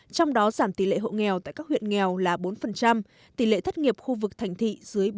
trong đó giảm tỷ lệ hộ nghèo tại các huyện nghèo là bốn tỷ lệ thất nghiệp khu vực thành thị dưới ba mươi